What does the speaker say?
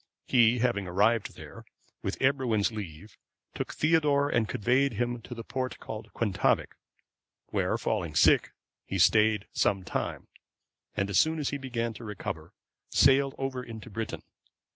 He, having arrived there, with Ebroin's leave took Theodore and conveyed him to the port called Quentavic;(534) where, falling sick, he stayed some time, and as soon as he began to recover, sailed over into Britain.